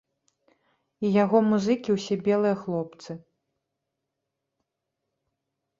І яго музыкі ўсе белыя хлопцы!